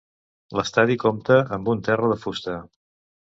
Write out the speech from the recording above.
L'estadi compta amb un terra de fusta.